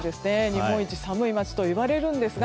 日本一寒い町といわれるんですが。